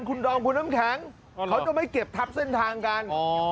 คุณดอมคุณน้ำแข็งเขาจะไม่เก็บทับเส้นทางกัน